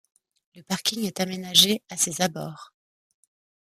Un parking est aménagé à ses abords.